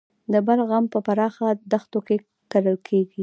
د بلخ غنم په پراخه دښتو کې کرل کیږي.